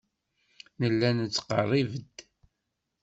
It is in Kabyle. Nella nettqerrib-d.